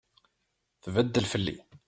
Tbeddel fell-i.